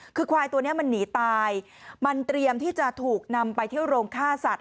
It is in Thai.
คือควายตัวนี้มันหนีตายมันเตรียมที่จะถูกนำไปเที่ยวโรงฆ่าสัตว